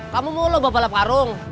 kamu mau lo bawa balap karung